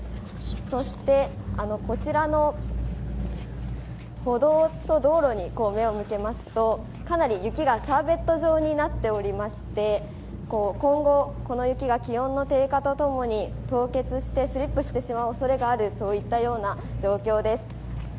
そしてこちらの歩道と道路に目を向けますとかなり雪がシャーベット状になっておりまして今後、この雪が気温の低下と共に凍結してスリップしてしまうおそれがあるといった状況です。